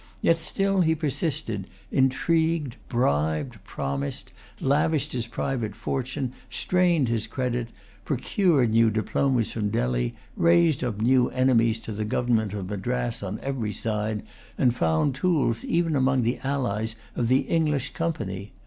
Yet still he persisted, intrigued, bribed, promised, lavished his private fortune, strained his credit, procured new diplomas from Delhi, raised up new enemies to the government of Madras on every side, and found tools even among the allies of the English Company.